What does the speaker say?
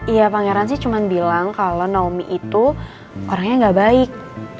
iya pangeran sih cuma bilang kalau naomi itu orangnya gak baik